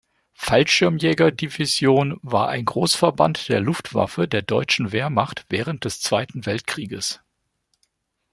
Fallschirmjäger-Division war ein Großverband der Luftwaffe der deutschen Wehrmacht während des Zweiten Weltkrieges.